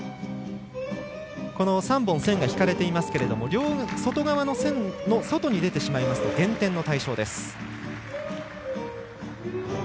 ３本線が引かれていますけども外側の線の外に出てしまうと減点の対象です。